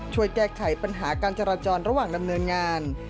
ช่วยแก้ไขปัญหาการจราจรระหว่างดำเนินงาน